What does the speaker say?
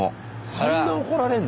そんな怒られんの？